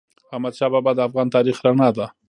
احمدشاه بابا د افغان تاریخ رڼا ده.